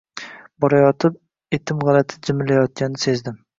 Borayotib, etim g‘alati jimirlayotganini sezdim